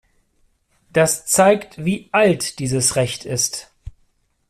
Das zeigt, wie alt dieses Recht ist.